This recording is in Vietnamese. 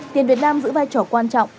tiền việt nam giữ vai trò quan trọng